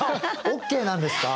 ＯＫなんですか！